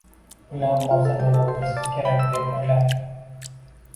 Bular hozir meni o‘ldirishsa kerak, deb o‘yladi.